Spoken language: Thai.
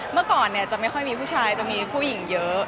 เมื่อก่อนจะไม่ค่อยมีผู้ชายจะมีผู้หญิงเยอะ